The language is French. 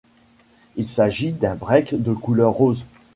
Il s’agit d’un break de couleur rose.